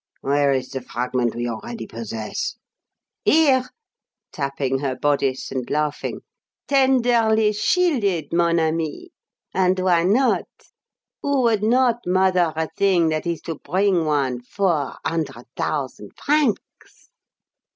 "Where is the fragment we already possess?" "Here," tapping her bodice and laughing, "tenderly shielded, mon ami, and why not? Who would not mother a thing that is to bring one four hundred thousand francs?"